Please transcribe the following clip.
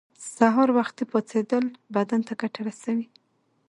سهار وختی پاڅیدل بدن ته ګټه رسوی